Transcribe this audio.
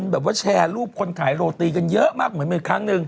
แบบว่าแชร์รูปคนขายโรตีกันเยอะมากเหมือนอีกครั้งหนึ่ง